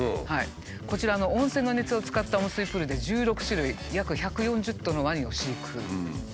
こちら温泉の熱を使った温水プールで１６種類約１４０頭のワニを飼育。